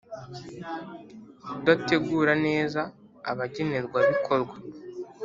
Kudategura neza abagenerwabikorwa